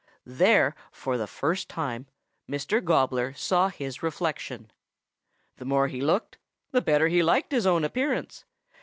There for the first time Mr. Gobbler saw his reflection. The more he looked, the better he liked his own appearance.